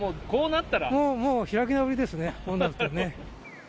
もう開き直りですね、こうなったらね。